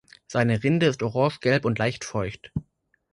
Seine Rinde ist orange-gelb und leicht feucht.